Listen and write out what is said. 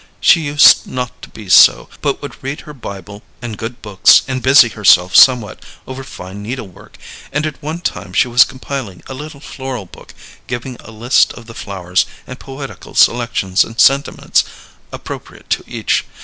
She used not to be so, but would read her Bible and good books, and busy herself somewhat over fine needle work, and at one time she was compiling a little floral book, giving a list of the flowers, and poetical selections and sentiments appropriate to each.